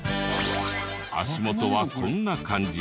足元はこんな感じで。